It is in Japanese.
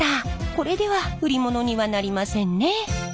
これでは売り物にはなりませんね。